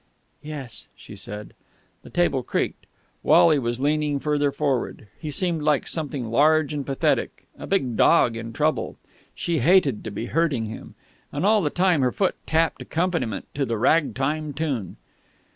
"Yes," she said. The table creaked. Wally was leaning further forward. He seemed like something large and pathetic a big dog in trouble. She hated to be hurting him. And all the time her foot tapped accompaniment to the rag time tune.